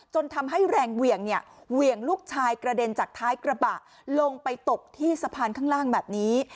จนทำให้แรงเหวี่ยงเนี่ยเหวี่ยงลูกชายกระเด็นจากท้ายกระบะลงไปตกที่สะพานข้างล่างแบบนี้